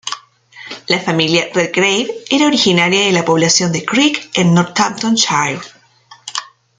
La familia Redgrave era originaria de la población de Crick, en Northamptonshire.